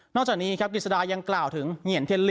นอกจากนี้ครับกฤษฎายังกล่าวถึงเหงียนเทียนลินครับ